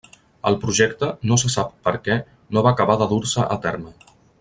El projecte no se sap perquè no va acabar de dur-se a terme.